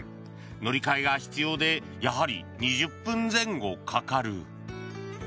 乗り換えが必要でやはり２０分前後かかる。